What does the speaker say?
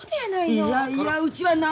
いやいやうちはな。